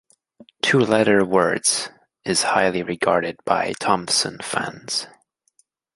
"Two letter words" is highly regarded by Thompson fans.